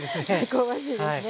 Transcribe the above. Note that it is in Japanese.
香ばしいですね。